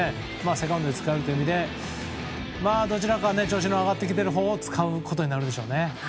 セカンドで使うという意味でどちらか調子の上がっているほうを使うことになるでしょうね。